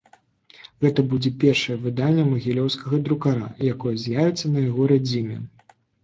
Гэта будзе першае выданне магілёўскага друкара, якое з'явіцца на яго радзіме.